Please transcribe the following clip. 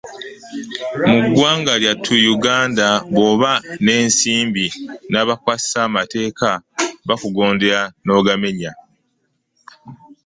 Mu ggwanga lyattu uganda bw'oba n'ensimbi n'abakwasisa amateeka bakugondera n'ogamenya.